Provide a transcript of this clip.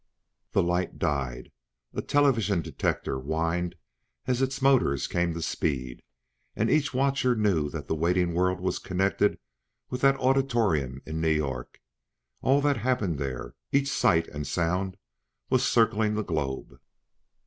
The light died; a television detector whined as its motors came to speed; and each watcher knew that the waiting world was connected with that auditorium in New York; all that happened, there each sight and sound was circling the globe.